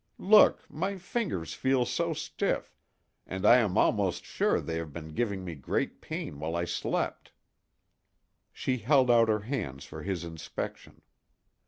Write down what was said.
Look—my fingers feel so stiff; and I am almost sure they have been giving me great pain while I slept." She held out her hands for his inspection.